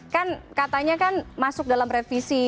kan katanya kan masuk dalam revisi